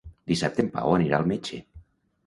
Dissabte en Pau anirà al metge.